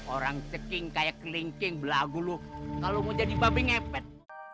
orang ceking kayak kelingking belagu lu kalau mau jadi babi ngepet